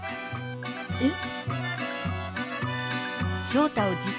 えっ？